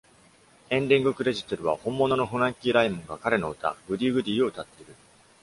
エンディングクレジットでは、本物のフランキー・ライモンが彼の歌『Goody Goody』を歌っている。